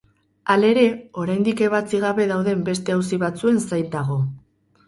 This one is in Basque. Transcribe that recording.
Halere, oraindik ebatzi gabe dauden beste auzi batzuen zain dago.